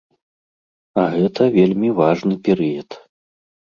А гэта вельмі важны перыяд.